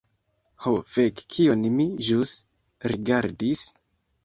Ho fek, kion mi ĵus rigardis?